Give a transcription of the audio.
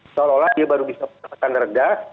seolah olah dia baru bisa mendapatkan reda